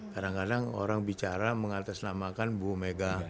kadang kadang orang bicara mengatasnamakan bu mega